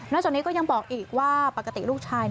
จากนี้ก็ยังบอกอีกว่าปกติลูกชาย